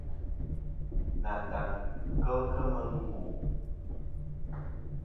Nantaŋ kel kemɨ n.